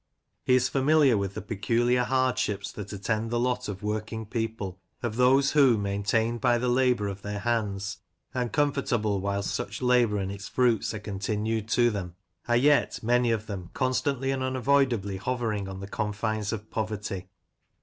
He is familiar with the peculiar hardships that attend the lot of workmg people — of those, who, maintained by the labour of their hands, and com fortable whilst such labour and its fruits are continued to them, are yet, many of them, constantly and unavoidably hovering on the confines of poverty.